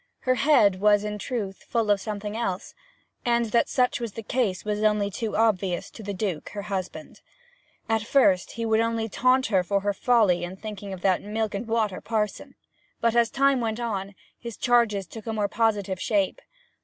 Her head was, in truth, full of something else; and that such was the case was only too obvious to the Duke, her husband. At first he would only taunt her for her folly in thinking of that milk and water parson; but as time went on his charges took a more positive shape.